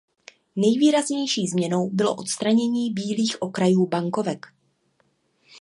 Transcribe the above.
Nejvýraznější změnou bylo odstranění bílých okrajů bankovek.